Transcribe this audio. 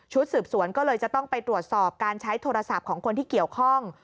สืบสวนก็เลยจะต้องไปตรวจสอบการใช้โทรศัพท์ของคนที่เกี่ยวข้อง